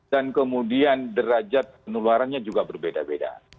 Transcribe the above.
dan kemudian derajat penularannya juga berbeda beda